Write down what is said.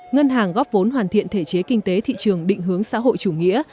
ngân hàng góp vốn hoàn thiện thể chế kinh tế thị trường định hướng xã hội chủ nghĩa